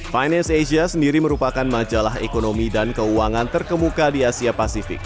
finance asia sendiri merupakan majalah ekonomi dan keuangan terkemuka di asia pasifik